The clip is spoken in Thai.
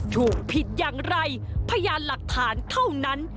ถูกผิดอย่างไรพยานหลักฐานเท่านั้น